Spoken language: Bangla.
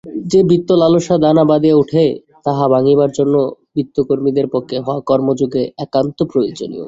যে-বিত্তলালসা দানা বাঁধিয়া উঠে, তাহা ভাঙিবার জন্য বিত্তকর্মীদের পক্ষে কর্মযোগ একান্ত প্রয়োজনীয়।